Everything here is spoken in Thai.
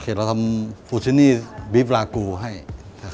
โอเคเราทำฟูซินี่บีฟลากูให้นะครับ